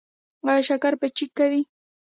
ایا شکر به چیک کوئ؟